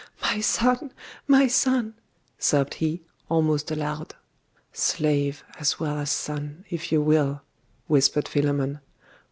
'My son! my son!' sobbed he, almost aloud. 'Slave, as well as son, if you will!' whispered Philammon.